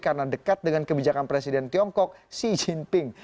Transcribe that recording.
karena dekat dengan kebijakan presiden tiongkok xi jinping